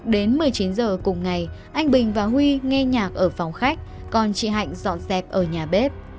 đến một mươi chín h cùng ngày anh bình và huy nghe nhạc ở phòng khách còn chị hạnh dọn dẹp ở nhà bếp